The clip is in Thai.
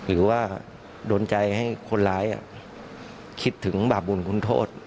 หรือว่าโดนใจให้คนร้ายคิดถึงบาปบุญคุณโทษ